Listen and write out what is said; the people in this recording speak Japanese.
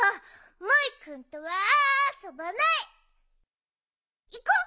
モイくんとはあそばない！いこう！